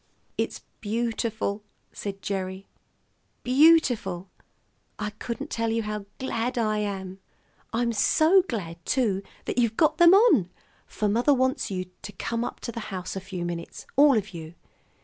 "It's beautiful," said Gerry, "beautiful! I couldn't tell how glad I am. I'm so glad, too, that you've got them on, for mother wants you to come up to the house a few minutes, all of you.